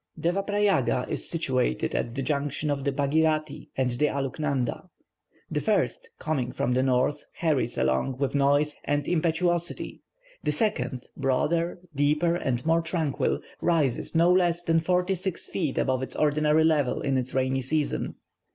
Devaprayaga is situated at the junction of the Baghirati, and the Aluknanda. The first, coming from the north, hurries along with noise and impetuosity; the second, broader, deeper, and more tranquil, rises no less than forty six feet above its ordinary level in the rainy season.